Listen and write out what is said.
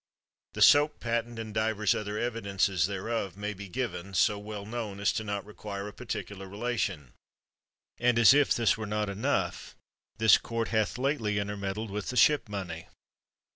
The soap patent and divers other evidences thereof may be given, so well known as not to require a particular rela tion. And as if this were not enough, this court hath lately intermeddled with the ship money!